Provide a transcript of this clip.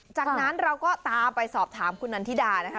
จากนั้นเราก็ตามไปสอบถามคุณนันทิดานะคะ